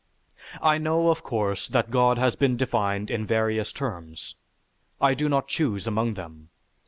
I know, of course, that God has been defined in various terms. I do not choose among them.